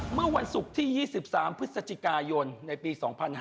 เมื่อวันศุกร์ที่๒๓พฤศจิกายนในปี๒๕๕๙